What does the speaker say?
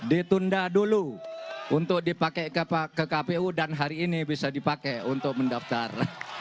ditunda dulu untuk dipakai ke kpu dan hari ini bisa dipakai untuk mendaftar